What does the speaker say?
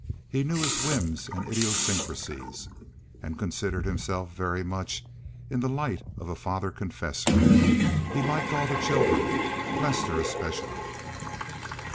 He knew his whims and idiosyncrasies, and considered himself very much in the light of a father confessor. He liked all the children, Lester especially.